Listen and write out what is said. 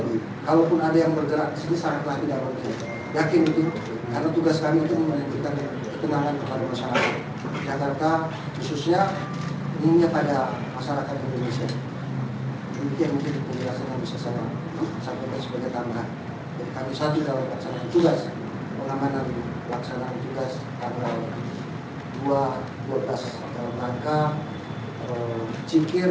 dalam komando yang dibentuk itu saya sebagai wakil